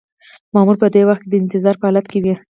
مامور په دې وخت کې د انتظار په حالت کې وي.